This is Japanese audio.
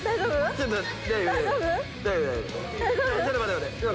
ちょっと待って。